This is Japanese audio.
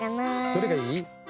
どれがいい？